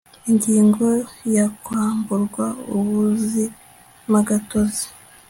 Ingingo ya Kwamburwa ubuzimagatozi